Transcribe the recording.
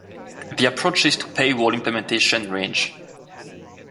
The approaches to paywall implementation range.